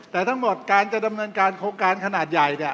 แต่ทั้งหมดการจะดำนันการว์โครงการขนาดใหญ่